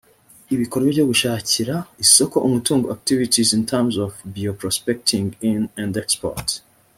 ibikorwa byo gushakira isoko umutungo activities in terms of bioprospecting in and export